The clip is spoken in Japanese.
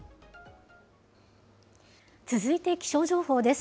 続いて気象情報です。